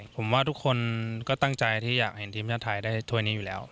ผมว่าทุกคนก็ตั้งใจที่อยากเห็นทีมชาติไทยได้ถ้วยนี้อยู่แล้ว